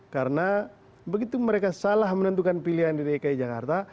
karena begitu mereka salah menentukan pilihan di dki jakarta